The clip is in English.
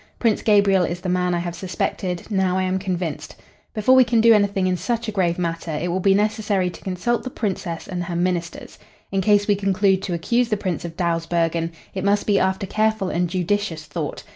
Prince Gabriel is the man I have suspected. Now I am convinced. Before we can do anything in such a grave matter it will be necessary to consult the Princess and her ministers. In case we conclude to accuse the Prince of Dawsbergen, it must be after careful and judicious thought.